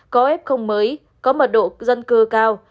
có f không mới có mật độ dân cư cao